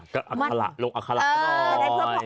กระอักษระลกอักษระกันหน่อย